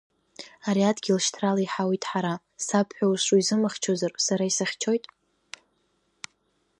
Ари адгьыл шьҭрала иҳауит ҳара, саб ҳәа узҿу изымхьчозар сара исыхьчоит?